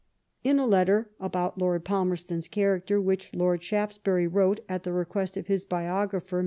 In a letter about Lord Palmerston's character, which Lord Shaftesbury wrote at the request of his biographer, ill.